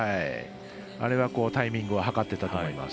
あれはタイミングを計ってたと思います。